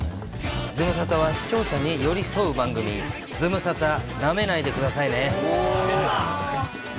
ズムサタは視聴者に寄り添う番組、ズムサタなめないでくださいね。